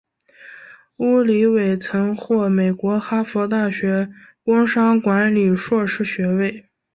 乌里韦曾获美国哈佛大学工商管理硕士学位。